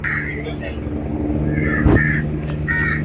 Mashiku ya kurima ina tafuta kufika